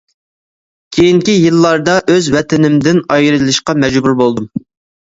كېيىنكى يىللاردا ئۆز ۋەتىنىمدىن ئايرىلىشقا مەجبۇر بولدۇم.